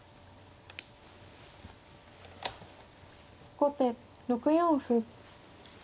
後手６四歩。